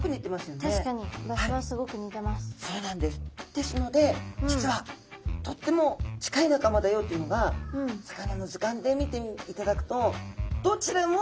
ですので実はとっても近い仲間だよっていうのが魚の図鑑で見ていただくとどちらも。